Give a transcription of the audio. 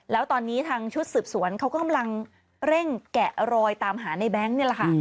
แล้วตอนนี้ทางชุดสืบสวนเขาก็กำลังเร่งแกะรอยตามหาในแบงค์นี่แหละค่ะ